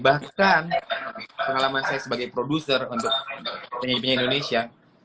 bahkan pengalaman saya sebagai produser untuk penyanyi penyanyi indonesia